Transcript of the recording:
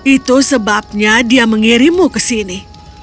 itu sebabnya dia mengirimu ke sini